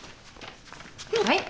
はい。